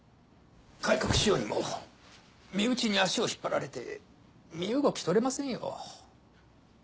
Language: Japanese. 改革しようにも身内に足を引っ張られて身動き取れませんよ。